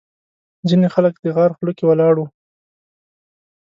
ځینې خلک د غار خوله کې ولاړ وو.